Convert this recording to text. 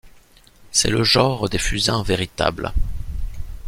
C'est le genre des fusains véritables.